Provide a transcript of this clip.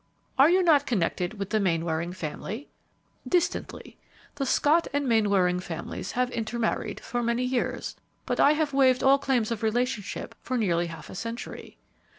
"Are you not connected with the Mainwaring family?" "Distantly. The Scott and Mainwaring families have intermarried for many years, but I have waived all claims of relationship for nearly half a century."